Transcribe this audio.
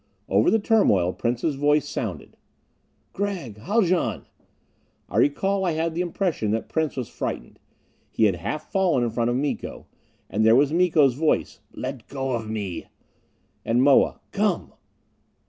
Over the turmoil Prince's voice sounded: "Gregg Haljan!" I recall I had the impression that Prince was frightened; he had half fallen in front of Miko. And there was Miko's voice: "Let go of me!" And Moa: "Come!"